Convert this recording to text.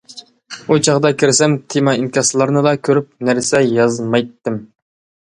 ئۇ چاغدا كىرسەم تېما-ئىنكاسلارنىلا كۆرۈپ نەرسە يازمايتتىم.